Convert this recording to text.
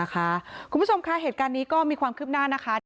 คุณผู้ชมคะเหตุการณ์นี้ก็มีความคืบหน้านะคะ